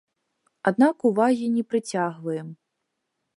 Аднак увагі не прыцягваем.